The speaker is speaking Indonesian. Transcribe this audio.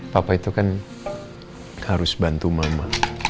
papa itu kan harus bantu mama